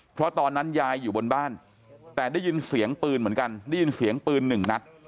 เพราะตอนนั้นยายอยู่บนบ้านแต่ได้ยินเสียงปืนเหมือนกันได้ยินเสียงปืนหนึ่งนัด